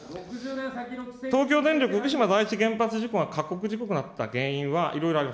東京電力福島第一原発事故が過酷事故となった原因は、いろいろあります。